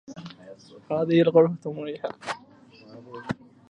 هذه الغرفة مريحة.